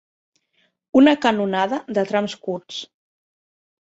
Una canonada de trams curts.